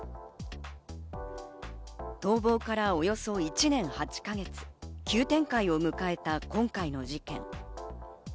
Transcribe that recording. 逃亡からおよそ１年８か月、急展開を迎えた今回の事件。